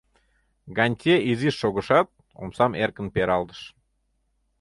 Гантье изиш шогышат, омсам эркын пералтыш.